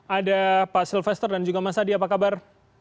ada pak sylvester dan juga mas adi apa kabar